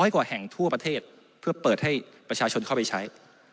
กว่าแห่งทั่วประเทศเพื่อเปิดให้ประชาชนเข้าไปใช้